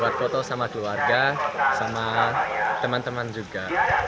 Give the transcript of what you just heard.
buat foto sama keluarga sama teman teman juga